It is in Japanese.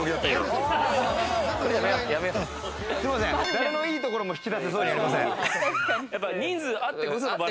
誰のいいところも引き出せそうにありません。